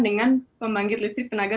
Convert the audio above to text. dengan pembangkit listrik tenaga